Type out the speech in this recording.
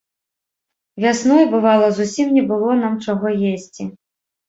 Вясной, бывала, зусім не было нам чаго есці.